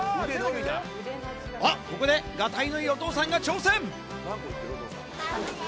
ここでガタイのいいお父さんが挑戦！